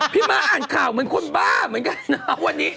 พี่มะอ่านข่าวเหมือนคนบ้าเหมือนกันอ่ะแต่วันนี้